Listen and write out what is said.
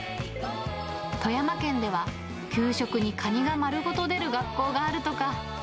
富山県では給食にカニが丸ごと出る学校があるとか。